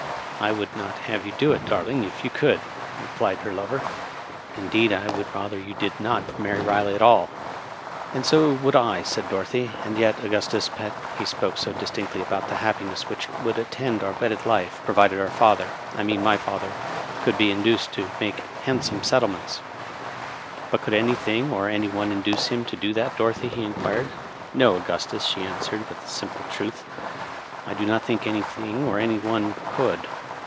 " I would not have you do it, darling, if you could," replied her lover. " Indeed, T would rather you did not marry Riley at all." " And so would I," said Dorothy ;" and yet, Augustus pet, he spoke so distinctly about the happiness which would attend our wedded life, provided our father — ^I mean my father — could be induced to make handsome settlements." " But could anything or any one induce him to do that, Dorothy?" he inquired. "No, Augustus," she answered, with simple truth, "I do not think anything or any one could."